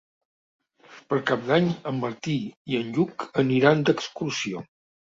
Per Cap d'Any en Martí i en Lluc aniran d'excursió.